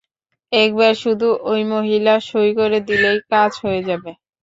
একবার শুধু ওই মহিলা সই করে দিলেই, কাজ হয়ে যাবে।